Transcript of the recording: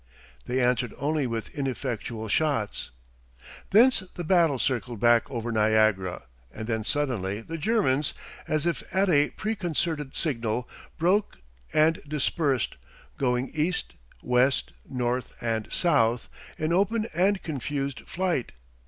They answered only with ineffectual shots. Thence the battle circled back over Niagara, and then suddenly the Germans, as if at a preconcerted signal, broke and dispersed, going east, west, north, and south, in open and confused flight.